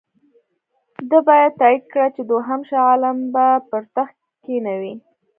ده بیا تایید کړه چې دوهم شاه عالم به پر تخت کښېنوي.